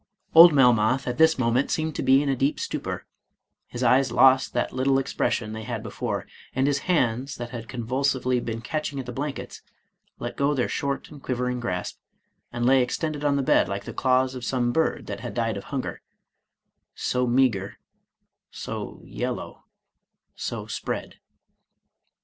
Old Melmoth at this moment seemed to be in a deep stupor; his eyes lost that little expression they had before, and his hands, that had convulsively been catching at the blankets, let go their short and quivering grasp, and lay extended on the bed like the claws of some bird that had died of hunger, — so meager, so yellow, so spread.